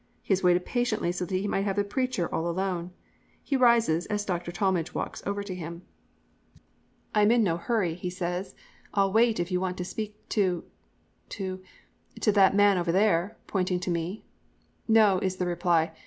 He has waited patiently so that he might have the preacher all alone. He rises as Dr. Talmage walks over to him. "'I am in no hurry,' he says. 'I'll wait if you want to speak to to to that man over there,' pointing to me. "'No,' is the reply.